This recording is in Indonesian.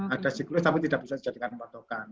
ada siklus tapi tidak bisa dijadikan patokan